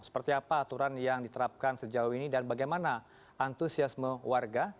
seperti apa aturan yang diterapkan sejauh ini dan bagaimana antusiasme warga